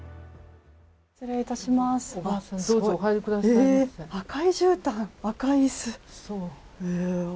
失礼いたします。